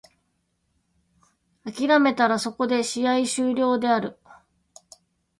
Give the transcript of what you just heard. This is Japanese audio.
諦めたらそこで試合終了である。